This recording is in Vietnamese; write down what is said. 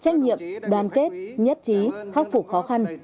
trách nhiệm đoàn kết nhất trí khắc phục khó khăn